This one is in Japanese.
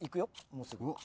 もうすぐ。